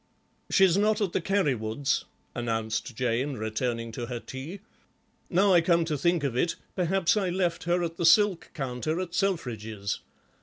"She's not at the Carrywoods'," announced Jane, returning to her tea; "now I come to think of it, perhaps I left her at the silk counter at Selfridge's.